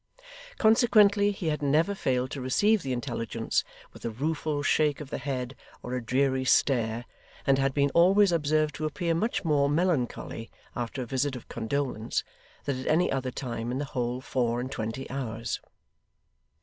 Consequently, he had never failed to receive the intelligence with a rueful shake of the head, or a dreary stare, and had been always observed to appear much more melancholy after a visit of condolence than at any other time in the whole four and twenty hours.